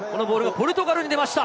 ポルトガルに出ました。